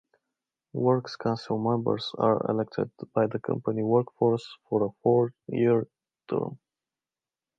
Works council members are elected by the company workforce for a four-year term.